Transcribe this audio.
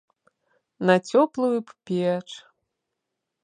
На цёплую б печ.